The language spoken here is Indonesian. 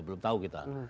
belum tahu kita